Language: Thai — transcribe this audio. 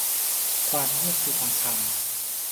ความเงียบคือทองคำ